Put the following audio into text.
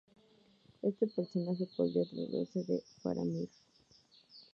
Este personaje podría tratarse de Faramir.